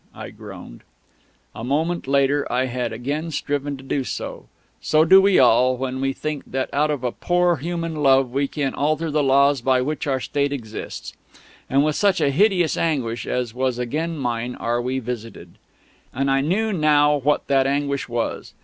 "_ I groaned.... A moment later I had again striven to do so. So do we all, when we think that out of a poor human Love we can alter the Laws by which our state exists. And with such a hideous anguish as was again mine are we visited.... And I knew now what that anguish was.